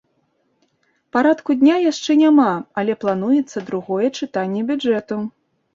Парадку дня яшчэ няма, але плануецца другое чытанне бюджэту.